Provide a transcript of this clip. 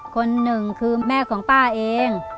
คนหนึ่งคือแม่ของป้าเอง